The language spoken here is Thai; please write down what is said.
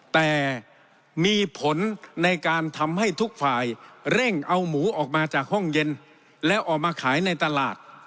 แต่มีผลในการทำให้ทุกฝ่ายเร่งเอาหมูออกมาจากห้องเย็นแล้วออกมาขายในตลาด